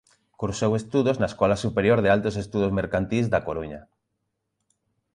Cursou estudos na Escola Superior de Altos Estudos Mercantís da Coruña.